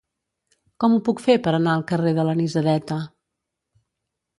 Com ho puc fer per anar al carrer de l'Anisadeta?